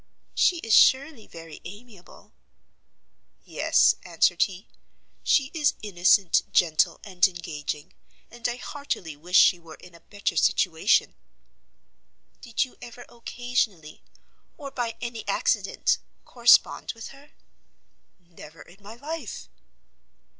"She is surely very amiable?" "Yes," answered he, "she is innocent, gentle, and engaging; and I heartily wish she were in a better situation." "Did you ever occasionally, or by any accident, correspond with her?" "Never in my life."